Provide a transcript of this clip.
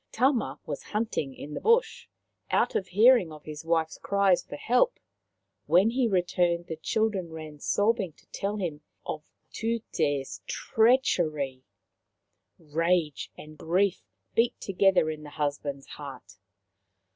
Tama was hunting in the bush, out of hearing of his wife's cries for help. When he returned the children ran sobbing to him to tell him of $97 198 Maoriland Fairy Tales Tute's treachery. Rage and grief beat together in the husband's heart.